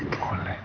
boleh boleh boleh